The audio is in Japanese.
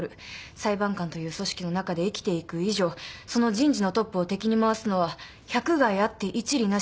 裁判官という組織の中で生きていく以上その人事のトップを敵に回すのは百害あって一利なし。